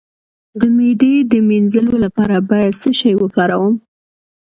د معدې د مینځلو لپاره باید څه شی وکاروم؟